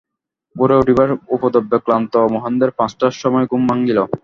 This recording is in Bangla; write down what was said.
ভোরে উঠিবার উপদ্রবে ক্লান্ত, মহেন্দ্রের পাঁচটার সময় ঘুম ভাঙিল।